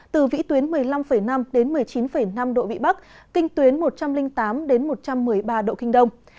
từ vĩ tuyến một mươi năm năm đến một mươi chín năm độ vị bắc kinh tuyến một trăm linh tám một trăm một mươi ba độ kinh đông